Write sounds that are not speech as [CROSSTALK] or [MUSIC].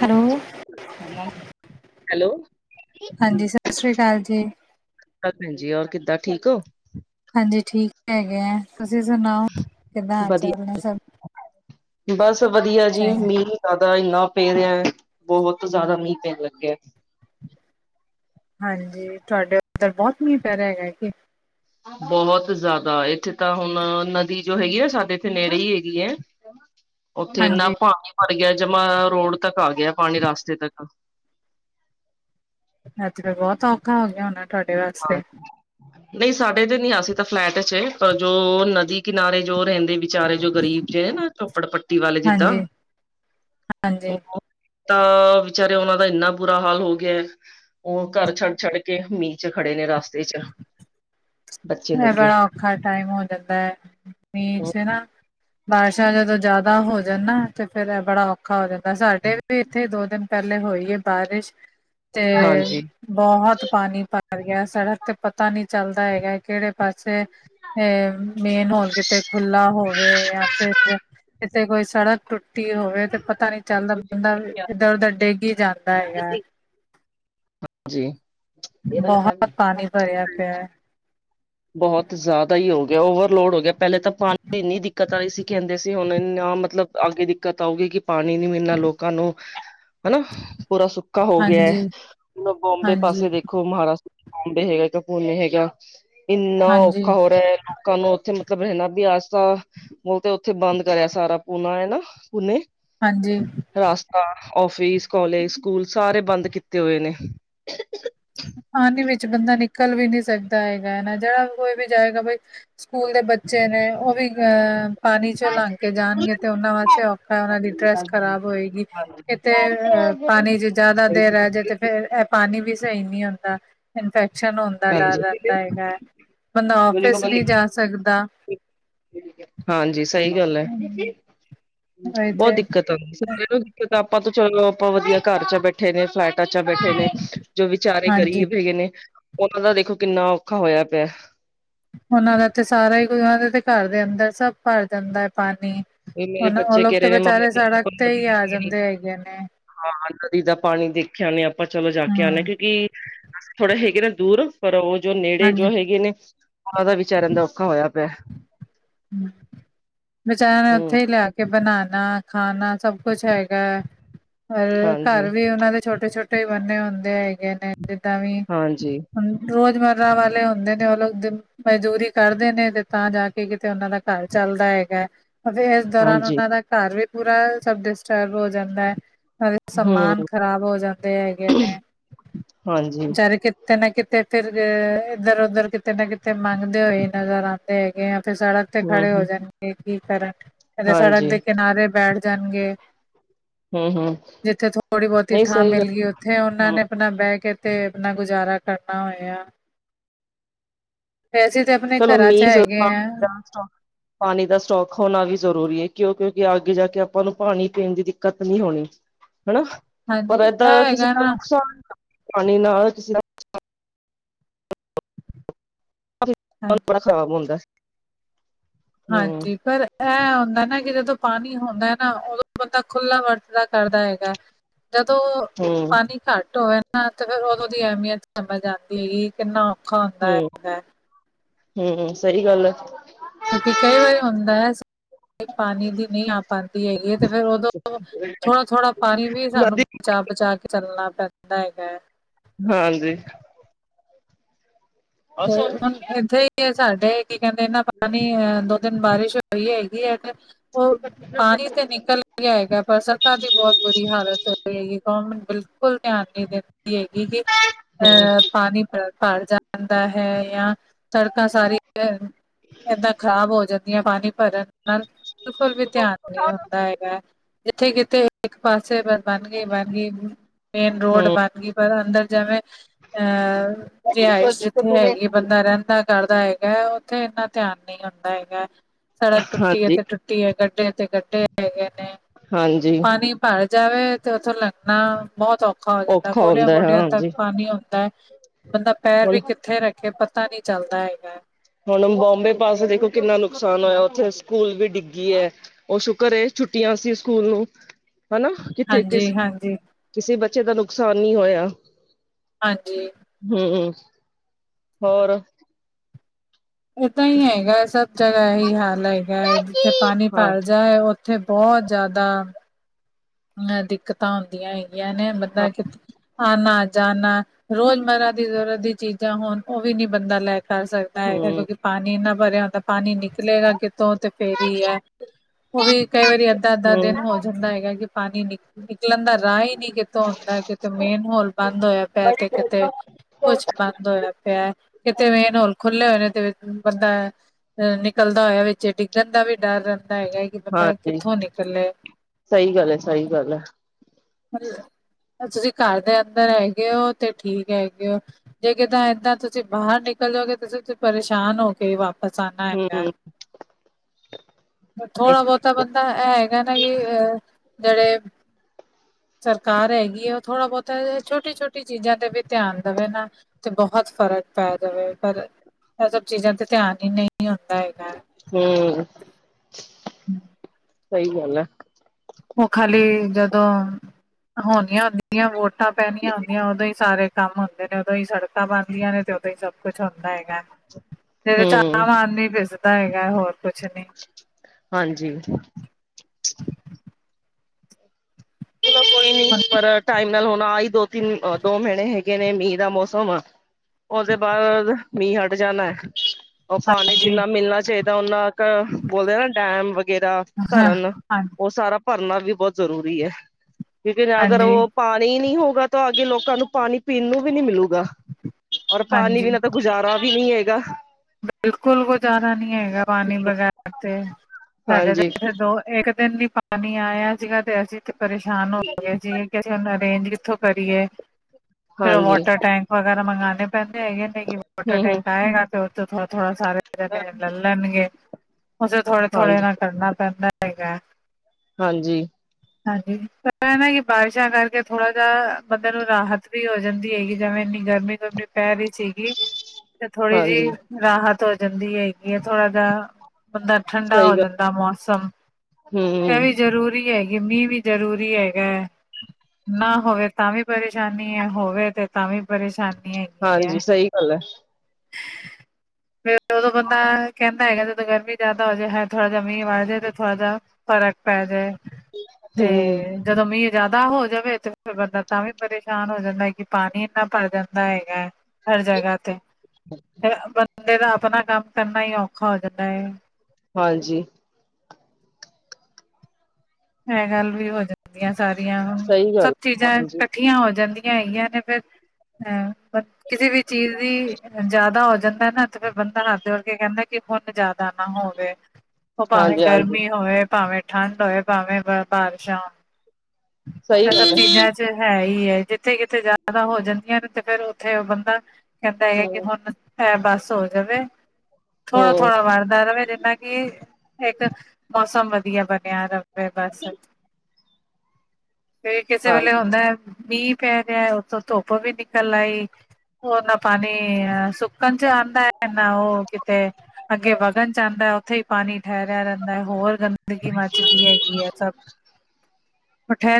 Hello hello ਹਾਂਜੀ, ਸਤਿ ਸ਼੍ਰੀ ਅਕਾਲ ਜੀ। ਕਾਲ -ਭੈਜੀ ਔਰ ਕਿੱਦਾ ਠੀਕ ਹੋ। ਹਾਂਜੀ ਠੀਕ ਹੈਗੇ ਆ, ਤੁਸੀਂ ਸੁਣਾਓ ਕਿੱਦਾਂ ਹਾਲ ਵਧੀਆ ਚਾਲ ਨੇ ਸਭ ਬਸ ਵਧੀਆ ਜੀ, ਚੰਗਾ ਮੀਂਹ ਜ਼ਿਆਦਾ ਇੰਨਾ ਪੇ ਰਿਆ, ਬਹੁਤ ਜ਼ਿਆਦਾ ਮੀਂਹ ਪੈਣ ਲੱਗਿਆ ਹਾਂਜੀ, ਤੁਹਾਡੇ ਉੱਧਰ ਬਹੁਤ ਮੀਂਹ ਪੈ ਰਿਹਾ ਹੈਗਾ ਏਥੇ ਬਹੁਤ ਜ਼ਿਆਦਾ ਇੱਥੇ ਤਾਂ ਹੁਣ ਨਦੀ ਜੋ ਹੈਗੀ ਨਾ ਸਾਡੇ ਇੱਥੇ ਨੇੜੇ ਹੀ ਹੈਗੀ ਐ। ਉੱਥੇ ਇੰਨਾ ਹਾਂਜੀ ਪਾਣੀ ਭਰ ਗਿਆ ਜਮਾ ਰੋਡ ਤੱਕ ਆ ਗਿਆ ਪਾਣੀ ਰਸਤੇ ਤੱਕ। ਇੱਥੇ ਤਾਂ ਬਹੁਤ ਔਖਾ ਹੋ ਗਿਆ ਹੁਣ। ਹਾਂਜੀ। ਨਹੀਂ, ਸਾਡੇ ਤੇ ਨੀ ਅਸੀਂ ਤਾਂ ਫਲੈਟ ਚ, ਪਰ ਜੋ ਨਦੀ ਕਿਨਾਰੇ ਜੋ ਰਹਿੰਦੇ ਵਿਚਾਰੇ ਜੋ ਗਰੀਬ ਜੇ ਆ ਨਾ ਝੋਪੜ ਪੱਟੀ ਵਾਲੇ ਜਿੱਦਾਂ ਹਾਂਜੀ ਹਾਂਜੀ ਉਹ ਤਾਂ ਵਿਚਾਰੇ ਉਹਨਾ ਦਾ ਇੰਨਾ ਬੁਰਾ ਹਾਲ ਹੋ ਗਿਆ, ਉਹ ਘਰ ਛੱਡ ਛੱਡ ਕੇ ਮੀਂਹ ਚ ਖੜੇ ਨੇ ਰਸਤੇ ਚ। ਬੱਚੇ ਲੈ ਐਹ ਕੇ ਬੜਾ ਔਖਾ ਟਾਈਮ ਹੋ ਜਾਂਦਾ ਐ ਮੀਂਹ ਚ ਨਾ ਬਾਰਿਸ਼ਾਂ ਜਦੋਂ ਜ਼ਿਆਦਾ ਹੋ ਜਾ ਨਾ, ਤੇ ਫੇਰ ਇਹ ਬੜਾ ਔਖਾ ਹੋ ਜਾਂਦਾ। ਸਾਡੇ ਵੀ ਤੇ ਇੱਥੇ ਦੋ ਦਿਨ ਪਹਿਲੇ ਹੋਈ ਐ ਬਾਰਿਸ਼ ਤੇ ਹਾਂਜੀ ਬਹੁਤ ਪਾਣੀ ਭਰ ਗਿਆ ਸੜਕ ਤੇ ਪਤਾ ਨੀਂ ਚੱਲਦਾ ਹੈਗਾ ਕਿਹੜੇ ਪਾਸੇ ਇਹ ਮੇਨ ਹੋਲ ਕਿਤੇ ਖੁਲਾ ਹੋਵੇ ਜਾਂ ਫਿਰ ਕਿਥੇ ਕੋਈ ਸੜਕ ਟੁੱਟੀ ਹੋ ਤੇ ਪਤਾ ਨੀ ਚੱਲਦਾ, ਬੰਦਾ ਇੱਧਰ ਉਧਰ ਡਿੱਗੀ ਜਾਂਦਾ ਹੈਗਾ। ਜੀ। ਬਹੁਤ ਪਾਣੀ ਭਰਿਆ ਪਿਆ ਐ। ਬਹੁਤ ਜ਼ਿਆਦਾ ਹੀ ਹੋ ਗਿਆ, ਓਵਰਲੋਡ ਹੋ ਗਿਆ, ਪਹਿਲੇ ਤਾਂ ਪਾਣੀ ਦੀ ਇੰਨੀ ਦਿੱਕਤ ਆ ਰਹੀ ਸੀ, ਕਹਿੰਦੇ ਸੀ ਹੁਣ ਇਨਾ ਮਤਲਬ ਅੱਗੇ ਦਿੱਕਤ ਆਊਗੀ ਕਿ ਪਾਣੀ ਨੀ ਮਿਲਣਾ ਲੋਕਾਂ ਨੂੰ ਹਨਾ। ਪੂਰਾ ਸੁੱਕਾ ਹੋ ਗਿਆ ਐ, ਹਾਂਜੀ ਮੈਂ ਬੋਂਬੇ ਹਾਂਜੀ ਪਾਸੇ ਦੇਖ ਖੋ ਮਹਾਰਾਸ਼ਟਰ ਮੁ ਹੈਗਾ ਭਨੇ ਹੈਗਾ ਇੰਨਾ ਹਾਂਜੀ ਔਖਾ ਹੋ ਰਿਹਾ ਐ। ਲੋਕਾਂ ਨੂੰ ਉੱਥੇ ਮਤਲਬ ਰਹਿਣਾ ਵੀ ਆਸਤਾ ਉਹ ਤੇ ਉੱਥੇ ਬੰਦ ਕਰਿਆ ਸਾਰਾ, ਪੂਣਾ ਹੈ ਨਾ ਪੂਨੇ ਹਾਂਜੀ। ਰਾਸਤਾ, ਆਫਿਸ, ਕਾਲਜ, ਸਕੂਲ ਸਾਰੇ ਬੰਦ ਕੀਤੇ ਹੋਏ ਨੇ। ਪਾਣੀ ਵਿੱਚ ਬੰਦਾ ਨਿਕਲ ਵੀ ਨੀ ਸਕਦਾ ਹੈਗਾ ਨਾ ਜਿਹੜਾ ਕੋਈ ਵੀ ਜਾਏਗਾ ਬਈ ਸਕੂਲ ਦੇ ਬੱਚ ਬੱਚੇ ਨੇ ਉਹ ਵੀ ਅ ਪਾਣੀ ਚੋਂ ਲੰਘ ਕੇ ਜਾਣਗੇ ਤੇ ਉਹਨਾਂ ਵਾਸਤੇ ਔਖਾ, ਉਹਨਾਂ ਦੀ ਡਰੈੱਸ ਖ਼ਰਾਬ ਹੋਏਗੀ, ਕਿਤੇ ਅਹ ਪਾਣੀ ਜੇ ਜਿਆਦਾ ਦੇਰ ਰਹਿ ਜੇ ਤੇ ਫਿਰ ਐ ਪਾਣੀ ਵੀ ਸਹੀ ਨੀ ਹੁੰਦਾ, ਇਨਫੈਕਸ਼ਨ ਹੋਣ ਦਾ ਡਰ ਹਾਂਜੀ, ਰਹਿੰਦਾ ਹੈਗਾ ਐ। ਬੰਦਾ ਆਫਿਸ ਨਹੀਂ ਜਾ ਸਕਦਾ। ਹਾਂਜੀ, ਸਹੀ ਗੱਲ ਐ। ਹਮ, ਉਹੀ ਬਹੁਤ ਤੇ ਦਿੱਕਤ ਆਉਂਦੀ [UNINTELLIGIBLE] ਤਾਂ ਆਪਾਂ ਚਲੋ ਆਪਾਂ ਵਧੀਆ ਘਰ ਚ ਬੈਠੇ ਨੇ, ਫਲੈਟਾਂ ਚ ਬੈਠੇ ਨੇ। ਜੋ ਵਿਚਾਰੇ ਹਾਂਜੀ ਗ਼ਰੀਬ ਹੈਗੇ ਨੇ, ਉਹਨਾਂ ਦਾ ਦੇਖੋ ਕਿੰਨਾ ਔਖਾ ਹੋਇਆ ਪਿਆ। ਉਹਨਾਂ ਦਾ ਤੇ ਸਾਰਾ ਹੀ ਕੁ ਉਹਨਾਂ ਦੇ ਤੇ ਘਰ ਦੇ ਅੰਦਰ ਸਭ ਭਰ ਜਾਂਦਾ ਐ ਪਾਣੀ। ਵੀ ਮੇਰੇ ਉਹਨਾ ਉਹ ਬੱਚੇ ਲੋਕ ਕਹਿ ਤੇ ਰਹੇ ਨੇ ਮੰਮਾ ਵੇਚਾਰੇ ਸੜਕ ਤੇ ਹੀ ਆ ਜਾਂਦੇ ਹੈਗੇ ਨੇ। ਹਾਂ ਨਦੀ ਦਾ ਪਾਣੀ ਦੇਖਿਆ ਨਹੀਂ ਆਪਾਂ ਚਲੋ ਜਾ ਕੇ ਆਨੇ ਆ ਹੂੰ, ਕਿਉਂਕਿ ਥੋੜੇ ਹੈਗੇ ਨੇ ਦੂਰ ਪਰ ਉਹ ਜੋ ਨੇੜੇ ਹਾਂਜੀ ਜੋ ਹੈਗੇ ਨੇ, ਉਹਨਾਂ ਦਾ ਵਿਚਾਰਿਆ ਦਾ ਔਖਾ ਹੋਇਆ ਪਿਆ। ਹੂੰ ਵਿਚਾਰਿਆਂ ਨੇ ਹੂੰ, ਉੱਥੇ ਹੀ ਲਿਆ ਕੇ ਕੇ ਬਣਾਣਾ ਖਾਣਾ ਸਭ ਕੁਛ ਹੈਗਾ ਐ ਔਰ ਹਾਂਜੀ, ਘਰ ਵੀ ਉਹਨਾਂ ਦੇ ਛੋਟੇ ਛੋਟੇ ਟੁੱਟੇ ਬੰਨੇ ਹੁੰਦੇ ਹੈਗੇ ਨੇ ਜਿੱਦਾਂ ਵੀ ਹਾਂਜੀ, ਰੋਜ਼ਮਰਰਾ ਵਾਲੇ ਹੁੰਦੇ ਨੇ ਉਹ ਲੋਕ ਮਜ਼ਦੂਰੀ ਕਰਦੇ ਨੇ ਤੇ ਤਾਂ ਜਾ ਕੇ ਕਿਤੇ ਤੇ ਉਹਨਾਂ ਦਾ ਘਰ ਚੱਲਦਾ ਹੈਗਾ ਤੇ ਇਸ ਦੌਰਾਨ ਹਾਂਜੀ, ਉਹਨਾਂ ਦਾ ਘਰ ਵੀ ਪੂਰਾ ਸਭ ਡਿਸਟਰਬ ਹੋ ਜਾਂਦਾ ਐ ਹ ਸਮਾਨ ਹੂੰ, ਖ਼ਰਾਬ ਹੋ ਜਾਂਦੇ ਹੈਗੇ ਨੇ, ਹਾਂਜੀ, ਜਦਕਿ ਕਿਤੇ ਨਾ ਕਿਤੇ ਫਿਰ ਇੱਧਰ ਉਧਰ ਕਿਤੇ ਨਾ ਕਿਤੇ ਮੰਗਦੇ ਹੋਏ ਨਜ਼ਰ ਆਉਂਦੇ ਹੈਗੇ ਆ। ਫੇਰ ਸੜਕ ਤੇ ਹੂੰ, ਖੜੇ ਹੋ ਹੂੰ, ਜਾਣਗੇ ਕੀ ਕਰਨ ਕਦੇ ਸੜਕ ਹਾਂਜੀ, ਦੇ ਕਿਨਾਰੇ ਬੈਠ ਜਾਣਗੇ। ਹੂੰ, ਹੂੰ ਜਿੱਥੇ ਥੋੜ੍ਹੀ ਬਹੁਤੀ ਨਹੀਂ ਥਾਂ ਸਹੀ ਗੱਲ ਮਿਲ ਗਈ ਉੱਥੇ ਉਹਨਾਂ ਹੂੰ, ਨੇ ਆਪਣਾ ਬਹਿ ਕੇ ਤੇ ਆਪਣਾ ਗੁਜ਼ਾਰਾ ਕਰਨਾ ਹੋਏ ਆ। ਵੈਸੇ ਤਾਂ ਅਸੀਂ ਤਾਂ ਆਪਣੇ ਚਲੋ ਘਰਾਂ ਚ ਮੀਂਹ ਜ਼ਰੂਰ ਹੈਗੇ ਹਾਂ। ਪਾਣੀ ਦਾ ਸਟੋਕ ਪਾਣੀ ਦਾ ਸਟੋਕ ਹੋਣਾ ਵੀ ਜ਼ਰੂਰੀ ਏ। ਕਿਉਂ ਕਿਉਂਕਿ ਅਗੇ ਜਾ ਕੇ ਆਪਾਂ ਨੂੰ ਪਾਣੀ ਪੀਣ ਦੀ ਦਿੱਕਤ ਨਹੀਂ ਹੋਣੀ ਹਨਾ। ਹਾਂਜੀ ਪਰ ਇਹ ਏਦਾਂ ਕਿਸੇ ਹੈਗਾ ਦਾ ਨਾ ਨੁਕਸਾਨ ਪਾਣੀ ਨਾਲ ਕਿਸੇ ਦਾ ਮਨ ਬੜਾ ਹਾਂਜੀ ਖਰਾਬ ਹੁੰਦਾ। ਹੂੰ, ਹਾਂਜੀ ਪਰ ਇਹ ਹੁੰਦਾ ਨਾ ਕਿ ਜਦੋਂ ਪਾਣੀ ਹੁੰਦਾ ਨਾ ਉਦੋਂ ਬੰਦਾ ਖੁੱਲਾ ਵਰਤ ਕਰਦਾ ਹੈਗਾ ਜਦੋਂ ਹੂੰ, ਪਾਣੀ ਘੱਟ ਹੋਵੇ ਨਾ ਤੇ ਫਿਰ ਉਦੋਂ ਦੀ ਅਹਿਮੀਅਤ ਸਮਝ ਆਉਂਦੀ ਹੈਗੀ ਕਿੰਨਾ ਔਖਾ ਹੁੰਦਾ ਹੈ। ਹੂੰ ਹੂੰ ਸਹੀ ਗੱਲ। ਕਿਉਂਕਿ ਕਈ ਵਾਰੀ ਹੁੰਦਾ ਹੈ ਪਾਣੀ ਦੀ ਨਹੀਂ ਆ ਪਾਉਂਦੀ ਹੈਗੀ ਹੈ ਤੇ ਫਿਰ ਉਦੋਂ ਥੋੜਾ- ਥੋੜਾ ਪਾਣੀ ਵੀ ਸਾਨੂੰ ਨਦੀ ਬਚਾ ਬਚਾ ਕੇ ਚੱਲਣਾ ਪੈਂਦਾ ਹੈਗਾ। ਹਾਂਜੀ। ਤੇ ਹੁਣ ਹੂੰ, ਇੱਥੇ ਹੀ ਸਾਡੇ ਕੀ ਕਹਿੰਦੇ ਇਹ ਨਾ ਪਾਣੀ ਅ ਦੋ ਦਿਨ ਬਾਰਿਸ਼ ਹੋਈ ਹੈਗੀ ਹੈ ਤੇ ਉਹ ਪਾਣੀ ਤੇ ਨਿਕਲ ਨਿਕਲ ਗਿਆ ਹੈਗਾ ਪਰ ਸੜਕਾਂ ਤੇ ਬਹੁਤ ਬੁਰੀ ਹਾਲਤ ਹੋ ਰਹੀ ਹੈਗੀ ਗੌਰਰਮੈਂਟ ਬਿਲਕੁਲ ਧਿਆਨ ਨਹੀਂ ਦੇਦੀ ਗੀ ਕਿ ਅਹ ਪਾਣੀ ਭਰ ਜਾਂਦਾ। ਦਾ ਹੈ ਜਾਂ ਸੜਕਾਂ ਸਾਰੀਆਂ ਏਦਾਂ ਖ਼ਰਾਬ ਹੋ ਜਾਂਦੀਆਂ ਪਾਣੀ ਭਰਨ ਨਾਲ। ਬਿਲਕੁਲ ਵੀ ਧਿਆਨ ਨਹੀਂ ਹੁੰਦਾ ਹੈਗਾ, ਜਿੱਥੇ ਕਿਤੇ ਇੱਕ ਪਾਸੇ ਪਰ ਬਣ ਗਈ ਬਣ ਗਈ ਮੇਨ ਰੋਡ ਹੂੰ ਬਣ ਗਈ ਪਰ ਅੰਦਰ ਜਵੇਂ ਅਹ ਰਿਹਾਇਸ਼ ਜਿੱਥੇ ਹੈਗੀ ਬੰਦਾ ਰਹਿੰਦਾ ਕਰਦਾ ਹੈਗਾ ਹੈ ਉੱਥੇ ਇੰਨਾ ਧਿਆਨ ਨਹੀਂ ਹੁੰਦਾ ਹੈਗਾ। ਸੜਕ ਟੁੱਟੀ ਹੈ ਹਾਂਜੀ, ਤੇ ਟੁੱਟੀ ਹੈ ਖਡੇ ਤੇ ਖਡੇ ਹੈਗੇ ਨੇ ਹਾਂਜੀ ਪਾਣੀ ਪਾਣੀ ਭਰ ਜਾਵੇ ਤੇ ਉੱਥੋਂ ਲੰਘਣਾ ਬਹੁਤ ਔਖਾ ਔਖਾ ਹੋ ਜਾਂਦਾ ਗੋਡਿਆਂ, ਹੁੰਦਾ ਹੈ ਗੋਡਿਆਂ ਤੱਕ ਹਾਂਜੀ ਪਾਣੀ ਆ ਜਾਂਦਾ ਹੈ ਬੰਦਾ ਪੈਰ ਹੁਣ ਵੀ ਕਿੱਥੇ ਕਿੱਥੇ ਰੱਖੇ ਪਤਾ ਨੀ ਚੱਲਦਾ ਹੈਗਾ। ਹੁਣ ਬੋਂਬੇ ਪਾਸੇ ਦੇਖੋ ਕਿੰਨਾ ਨੁਕਸਾਨ ਹੋਇਆ। ਉੱਥੇ ਸਕੂਲ ਵੀ ਡਿੱਗੀ ਹੈ। ਉਹ ਸ਼ੁਕਰ ਹੈ ਛੁੱਟੀਆਂ ਸੀ ਸਕੂਲ ਨੂੰ ਹਨਾ। ਸ਼ੁਕਰ ਹੈ ਕਿਸ ਹਾਂਜੀ ਹਾਂਜੀ। ਕਿਸੇ ਬੱਚੇ ਦਾ ਨੁਕਸਾਨ ਨੀ ਹੋਇਆ। ਹਾਂਜੀ। ਹੂੰ, ਹੂੰ, ਹੂੰ ਹੋਰ। ਇਏਦਾਂ ਹੀ ਹੈਗਾ ਹੈ ਸਭ ਜਗ੍ਹਾ ਹੀ ਹਾਲ ਹੈਗਾ ਹੈ ਜਿੱਥੇ ਪਾਣੀ ਹਾਂ ਭਰ ਜਾਏ ਉੱਥੇ ਬਹੁਤ ਜ਼ਿਆਦਾ ਅ ਦਿੱਕਤਾਂ ਹੁੰਦੀਆਂ ਹੈਗੀਆਂ ਨੇ ਹਾਂ ਬੰਦਾ ਕਿ ਆਨਾ ਜਾਣਾ ਰੋਜ਼ਮਰਾ ਦੀ ਜ਼ਰੂਰਤ ਦੀ ਚੀਜ਼ਾਂ ਹੋਣ ਉਹ ਵੀ ਨੀ ਬੰਦਾ ਲੈ ਕਰ ਸਕਦਾ। ਏਗਾ ਹਮ ਕਿਉਂਕਿ ਪਾਣੀ ਨਾ ਭਰਿਆ ਹੋਦਾ ਪਾਣੀ ਨਿਕਲੇਗਾ ਕਿਥੋ ਫੇਰੀ ਹੈ ਉਹ ਵੀ ਕਈ ਵਾਰੀ ਅੱਧਾ ਅੱਧਾ ਹਮ ਦਿਨ ਹੋ ਜਾਂਦਾ ਹੈਗਾ ਕਿ ਪਾਣੀ ਨਿਕ ਨਿਕਲਣ ਦਾ ਰਾਹ ਹੀ ਨਹੀਂ ਕਿਥੋਂ ਹੁੰਦਾ, ਕਿਤੇ ਮੇਨ ਹੌਲ ਬੰਦ ਹੋਇਆ ਪਿਆ ਤੇ ਕਿਤੇ ਕੁਛ ਬੰਦ ਹੋਇਆ ਪਿਆ ਕਿਤੇ ਮੇਨ ਹੋੌਲ ਖੁੱਲੇ ਹੋਏ ਨੇ ਤੇ ਬੰਦਾ ਅਹ ਨਿਕਲਦਾ ਹੋਇਆ ਵਿੱਚ ਡਿੱਗਣ ਦਾ ਵੀ ਡਰ ਰਹਿੰਦਾ ਹੈਗਾ ਹੈ ਕਿ ਬੰਦਾ ਹਾਂਜੀ ਕਿੱਥੋਂ ਨਿਕਲੇ। ਸਹੀ ਗੱਲ ਏ, ਸਹੀ ਗੱਲ ਹੈ। ਤੁਸੀਂ ਘਰ ਦੇ ਅੰਦਰ ਹੈਗੇ ਹੋ ਤੇ ਠੀਕ ਹੈਗੇ ਹੋ। ਜੇ ਕਿਦਾਂ ਐਦਾਂ ਤੁਸੀਂ ਬਾਹਰ ਨਿਕਲ ਜਾਓਗੇ ਤੁਸੀਂ ਉੱਥੇ ਪਰੇਸ਼ਾਨ ਹੋ ਕੇ ਵਾਪ ਪਸਾਣਾ ਹਮ ਹੈਗਾ ਥੋੜ੍ਹਾ ਬਹੁਤਾ ਬੰਦਾ ਐਹ ਹੈਗਾ ਨਾ ਕਿ ਅਹ ਜਿਹੜੇ ਸਰਕਾਰ ਹੈਗੀ ਉਹ ਥੋੜਾ ਬਹੁਤਾ ਛੋਟੀ- ਛੋਟੀ ਚੀਜ਼ਾਂ ਤੇ ਵੀ ਧਿਆਨ ਦੇਵੇ ਨਾ ਤੇ ਬਹੁਤ ਫ਼ਰਕ ਪੈ ਜਾਵੇ ਪਰ ਐਹ ਸਭ ਚੀਜ਼ਾਂ ਤੇ ਧਿਆਨ ਹੀ ਨਹੀਂ ਹੁੰਦਾ ਹੈਗਾ ਹਮ ਹਮ ਸਹੀ ਗੱਲ ਹੈ ਉਹ ਖਾਲੀ ਜਦੋਂ ਹੋਣੀਆਂ ਹੁੰਦੀਆਂ ਵੋਟਾਂ ਪੈਣੀਆਂ ਹੁੰਦੀਆਂ ਉਦੋਂ ਹੀ ਸਾਰੇ ਕੰਮ ਹੁੰਦੇ ਨੇ ਉਦੋਂ ਸੜਕਾਂ ਬਣਦੀਆਂ ਨੇ ਤੇ ਤੇ ਸਭ ਕੁਛ ਹੁੰਦਾ ਹੈਗਾ ਜਿਹਦੇ 'ਚ ਹਮ ਆਮ ਆਦਮੀ ਪਿਸਦਾ ਹੈਗਾ ਹੋਰ ਕੁਛ ਨੀ ਹਾਂਜੀ ਚਲੋ ਕੋਈ ਨੀ ਪਰ ਟਾਈਮ ਨਾਲ ਹੁਣ ਆਈ ਦੋ ਤਿੰਨ ਦੋ ਮਹੀਨੇ ਹੈਗੇ ਨੇ ਮੀਂ ਦਾ ਮੌਸਮ ਉਹਦੇ ਬਾਅਦ ਮੀਂਹ ਹਟ ਜਾਣਾ ਉਹ ਪਾਣੀ ਹਾਂਜੀ ਜਿੰਨਾ ਮਿਲਣਾ ਚਾਹੀਦਾ ਓਨਾ ਕ ਬੋਲਦੇ ਨਾ ਡੈਮ ਵਗੈਰਾ ਹਾਂ ਧਰਨ ਹਾਂ ਉਹ ਸਾਰਾ ਭਰਨਾ ਵੀ ਬਹੁਤ ਜ਼ਰੂਰੀ ਐ ਕਿਉਂਕਿ ਅਗਰ ਹਾਂਜੀ ਉਹ ਪਾਣੀ ਨਹੀਂ ਹੋਊਗਾ ਤਾਂ ਆਗੇ ਲੋਕਾਂ ਨੂੰ ਪਾਣੀ ਪੀਣ ਨੂੰ ਵੀ ਨੀ ਮਿਲੂਗਾ ਔਰ ਪਾਨੀ ਹਾਂਜੀ ਬਿਨਾ ਤਾਂ ਗੁਜ਼ਾਰਾ ਵੀ ਨਹੀਂ ਹੈਗਾ ਬਿਲਕੁਲ ਗੁਜ਼ਾਰਾ ਨੀ ਹੈਗਾ ਪਾਣੀ ਬਗੈਰ ਤੇ, ਸਾਡੇ ਤੇ ਹਾਂਜੀ ਇਥੇ ਦੋ ਇੱਕ ਦਿਨ ਲਈ ਪਾਣੀ ਆਇਆ ਹਰ ਜਗਾ ਅਸੀਂ ਤੇ ਪਰੇਸ਼ਾਨ ਹੋਣਗੇ ਠੀਕ ਇੰਨਾ ਅਰੇਂਜ ਕਿੱਥੋਂ ਕਰੀਏ ਫੇਰ ਹਾਂਜੀ ਵਾਟਰ ਟੈਂਕ ਵਗੈਰਾ ਮੰਗਵਾਉਣੇ ਪੈਂਦੇ ਹੈਗੇ ਨਹੀਂ ਵੋਟਰ ਹਮ ਟੈਂਕ ਆਏਗਾ ਉਹ ਥੋੜਾ- ਥੋੜਾ ਸਾਰੇ ਹਮ ਜਾਣੇ ਲੈਣਗੇ, ਉਸੇ ਥੋੜੇ ਥੋੜੇ ਹਾਂਜੀ ਨਾਲ ਕਰਨਾ ਪੈਂਦਾ ਹੈਗਾ ਹਾਂਜੀ [INAUDIBLE] ਹਾਂਜੀ ਪਰ ਐਂਵੇ ਕਿ ਬਾਰਿਸ਼ਾਂ ਕਰਕੇ ਥੋੜਾ ਜਿਹਾ ਬੰਦੇ ਨੂੰ ਰਾਹਤ ਵੀ ਹੋ ਜਾਂਦੀ ਹੈਗੀ ਜਿਵੇਂ ਇੰਨੀ ਗਰਮੀ ਆਪਣੀ ਪੈ ਸੀਗੀ ਤੇ ਥੋੜ੍ਹੀ ਹਾਂਜੀ ਜਿਹੀ ਰਾਹਤ ਹੋ ਜਾਂਦੀ ਹੈਗੀ ਇਹ ਥੋੜਾ ਜਿਹਾ ਬੰਦਾ ਠੰਡਾ ਸਹੀ ਹੋ ਗੱਲ ਜਾਂਦਾ ਮੌਸਮ ਐਹ ਹਮ ਵੀ ਜ਼ਰੂਰੀ ਹੈਗੀ ਮੀਂਹ ਵੀ ਜ਼ਰੂਰੀ ਹੈਗਾ ਨਾ ਹੋਵੇ ਤਾਂ ਵੀ ਪਰੇਸ਼ਾਨੀ ਹੈ ਹੋਵੇ ਤੇ ਤਾਂ ਵੀ ਪਰੇਸ਼ਾਨੀ ਹੈਗੀ ਹੈ। ਹਾਂਜੀ ਸਹੀ ਗੱਲ [INAUDIBLE] ਫਿਰ ਉਦੋਂ ਬੰਦਾ ਕਹਿੰਦਾ ਹੈਗਾ ਜਦੋਂ ਗਰਮੀ ਜ਼ਿਆਦਾ ਹੋ ਜਾਏ ਹੈ ਥੋੜ੍ਹਾ ਜਿਹਾ ਮੀਂਹ ਵੜ ਜਾਏ ਤੇ ਥੋੜਾ ਜਿਹਾ ਫਰਕ ਪੈ ਜਾਏ ਤੇ ਹਮ ਜਦੋਂ ਮੀਂ ਜ਼ਿਆਦਾ ਹੋ ਜਾਵੇ ਤੇ ਫ਼ਿਰ ਬੰਦਾ ਵੀ ਪਰੇਸ਼ਾਨ ਹੋ ਜਾਂਦਾ ਹੈ ਕਿ ਪਾਣੀ ਇੰਨਾ ਭਰ ਜਾਂਦਾ ਹੈਗਾ ਹਰ ਜਗ੍ਹਾ ਤੇ [INAUDIBLE] ਫੇਰ ਬੰਦੇ ਦਾ ਆਪਣਾ ਕੰਮ ਕਰਨਾ ਹੀ ਔਖਾ ਹੋ ਜਾਂਦਾ ਏ ਹਾਂਜੀ ਐਹ ਗੱਲ ਵੀ ਹੋ ਜਾਂਦੀਆਂ ਸਾਰੀਆਂ, ਸਹੀ ਸਭ ਗੱਲ ਚੀਜ਼ਾਂ ਇਕਠ ਹਾਂਜੀ ਇਕੱਠੀਆਂ ਹੋ ਜਾਂਦੀਆਂ ਹੈਗੀਆਂ ਨੇ, ਫੇਰ ਅਹ ਪਰ ਕਿਸੇ ਵੀ ਚੀਜ਼ ਦੀ ਜਿਆਦਾ ਹੋ ਜਾਂਦਾ ਨਾ ਤੇ ਫੇਰ ਬੰਦਾ ਹੱਥ ਜੋੜ ਕੇ ਕਹਿੰਦਾ ਕਿ ਹੁਣ ਜ਼ਿਆਦਾ ਨਾ ਹੋਵੇ, ਉਹ ਭਾਵੇਂ ਹਾਂਜੀ ਹਾਂਜੀ ਗਰਮੀ ਹੋਵੇ ਭਾਵੇਂ ਠੰਡ ਹੋਏ, ਭਾਵੇਂ ਬਾਰਿਸ਼ਾਂ ਸਹੀ ਇਹ ਸਭ ਗੱਲ ਹੈ ਚੀਜ਼ਾਂ ਹੈ ਹੀ ਹੈ। ਜਿੱਥੇ ਕਿਥੇ ਜ਼ਿਆਦਾ ਹੋ ਜਾਂਦੀਆਂ ਨੇ, ਤੇ ਫੇਰ ਉੱਥੇ ਉਹ ਬੰਦਾ ਕਹਿੰਦਾ ਹੈਗਾ, ਕਿ ਹਮ ਹੁਣ ਹੈ ਬਸ ਹੋ ਜਾਵੇ ਹਮ ਥੋੜਾ-ਥੋੜਾ [UNINTELLIGIBLE] ਇੱਕ ਮੌਸਮ ਵਧੀਆ ਬਣਿਆ ਰਵੇ। ਬਸ ਵੀ ਕਿਸੇ ਹਾਂਜੀ ਵੇਲੇ ਹੁੰਦਾ ਹੈ ਮੀਂਹ ਪੈ ਗਿਆ। ਉਥੋਂ ਧੁੱਪ ਵੀ ਨਿਕਲ ਆਈ। ਹੋਰ ਨਾ ਪਾਣੀ ਅ ਸੁ ਸੁਕਨ ਚ ਆਉਂਦਾ, ਨਾ ਉਹ ਕਿਤੇ ਅੱਗੇ ਵਗਨ ਚ ਆਉਂਦਾ। ਉੱਥੇ ਹੀ ਪਾਣੀ ਠਹਿਰਿਆ ਰਹਿੰਦਾ ਹੈ। ਹੋਰ ਗੰਦਗੀ ਮਚਦੀ ਹੈਗੀ ਹੈ। ਸਭ [INAUDIBLE]